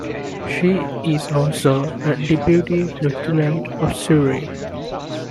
She is also a Deputy Lieutenant of Surrey.